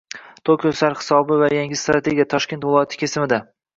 Tokio sarhisobi va yangi strategiya Toshkent viloyati kesimida